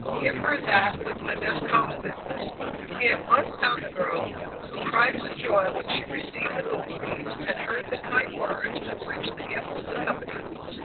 give her that with my best compliments." He at once found the girl, who cried with joy when she received the gold piece, and heard the kind words with which the gift was accompanied.